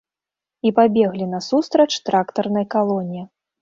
І пабеглі насустрач трактарнай калоне.